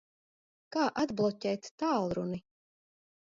Kā atbloķēt tālruni?